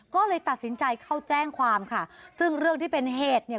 ก็เลยตัดสินใจเข้าแจ้งความค่ะซึ่งเรื่องที่เป็นเหตุเนี่ย